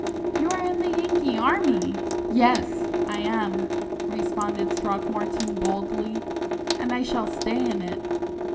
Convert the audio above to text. "You are in the Yankee army!" "Yes, I am," responded Throckmorton, boldly, "and I shall stay in it."